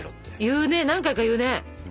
言うね何回か言うね。